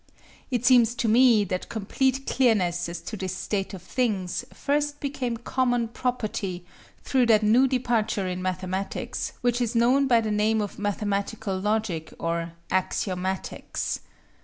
It seems to me that complete clearness as to this state of things first became common property through that new departure in mathematics which is known by the name of mathematical logic or "Axiomatics."